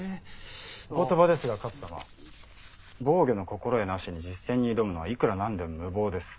お言葉ですが勝様防御の心得なしに実践に挑むのはいくら何でも無謀です。